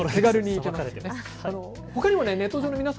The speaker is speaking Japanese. ほかにもネット上の皆さん